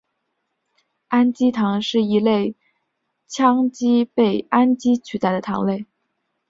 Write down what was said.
氨基糖是一类羟基被氨基取代的糖类。